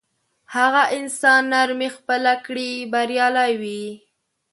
هغه انسان نرمي خپله کړي بریالی وي.